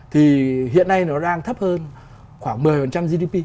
thì hiện nay nó đang thấp hơn khoảng một mươi gdp